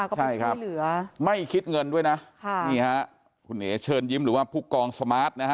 ก็เป็นช่วยเหลือไม่คิดเงินด้วยนะคุณเอ๋เชิญยิ้มหรือว่าภูกองสมาร์ท